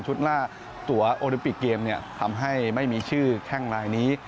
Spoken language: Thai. ชุดล่าตัวโอลิปิกเกมส์ทำให้ไม่มีชื่อข้างลายนี้